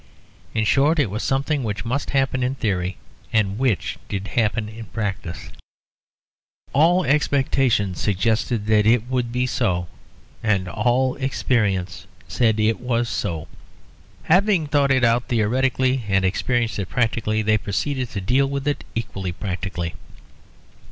In short it was something which must happen in theory and which did happen in practice; all expectation suggested that it would be so and all experience said it was so. Having thought it out theoretically and experienced it practically, they proceeded to deal with it equally practically.